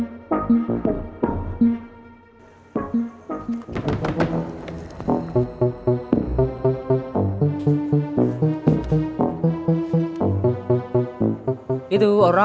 kita butuh tik udah